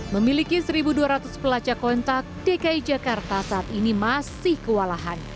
memiliki satu dua ratus pelacak kontak dki jakarta saat ini masih kewalahan